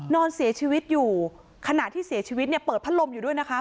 นอนเสียชีวิตอยู่ขณะที่เสียชีวิตเนี่ยเปิดพัดลมอยู่ด้วยนะคะ